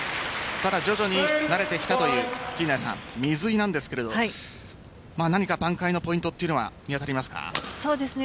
ただ、徐々に慣れてきたという水井なんですが何か挽回のポイントは見当たりますか？